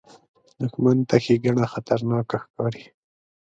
دښمن ته ښېګڼه خطرناکه ښکاري